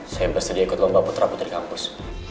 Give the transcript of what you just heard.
saya pasti diikut lomba putra putri kampus